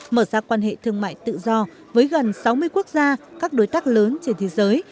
mở ra quan hệ thương mại tự do với gần sáu mươi quốc gia các đối tác lớn trên thế giới